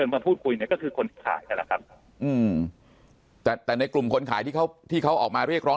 มาพูดคุยก็คือคนขายแหละครับแต่ในกลุ่มคนขายที่เขาออกมาเรียกร้อง